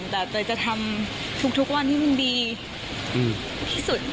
แต่เตยจะทำทุกวันที่มันดีที่สุด